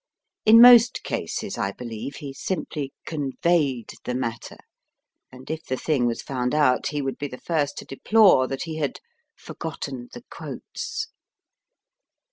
In most cases, I believe, he simply * conveyed the matter ; and if the thing was found out, he would be the first to deplore that he had forgotten the quotes.